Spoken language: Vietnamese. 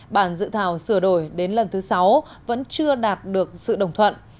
bản dự thảo sửa đổi đến lần thứ sáu vẫn chưa đạt được sự đồng thuận